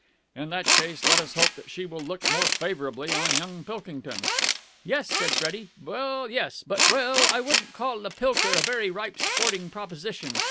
"In that case, let us hope that she will look more favourably on young Pilkington." "Yes," said Freddie. "Well, yes. But well, I wouldn't call the Pilker a very ripe sporting proposition.